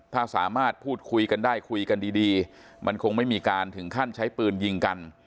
ถ้าสามารถพูดคุยกันได้คุยกันดีมันคงไม่มีการถึงขั้นใช้ปืนยิงกัน